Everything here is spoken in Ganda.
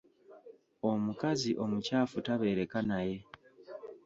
Omukazi omukyafu tabeereka naye.